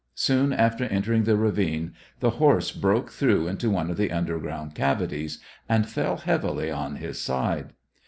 Soon after entering the ravine the horse broke through into one of the underground cavities and fell heavily on his side.